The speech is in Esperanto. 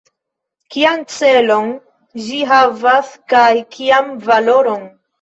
Kian celon ĝi havas, kaj kian valoron?